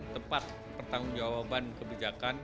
tempat pertanggungjawaban kebijakan